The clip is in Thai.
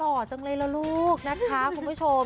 ห่อจังเลยล่ะลูกนะคะคุณผู้ชม